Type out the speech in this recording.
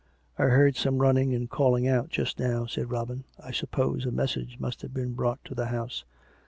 " I heard some running and calling out just now," said Robin. " I suppose a message must have been brought to the house."